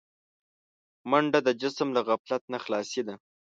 منډه د جسم له غفلت نه خلاصي ده